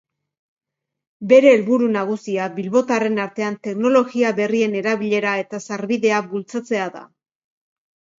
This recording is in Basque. Bere helburu nagusia bilbotarren artean teknologia berrien erabilera eta sarbidea bultzatzea da.